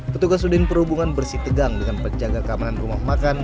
petugas udin perhubungan bersih tegang dengan penjaga keamanan rumah makan